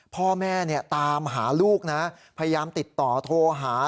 พ่อแม่ตามหาลูกนะพยายามติดต่อโทรหา